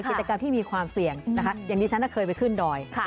กิจกรรมที่มีความเสี่ยงนะคะอย่างที่ฉันเคยไปขึ้นดอย